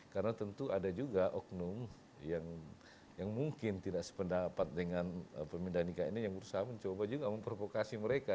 karena tentu ada juga oknum yang mungkin tidak sependapat dengan pemindahan nikah ini yang berusaha mencoba juga memprovokasi mereka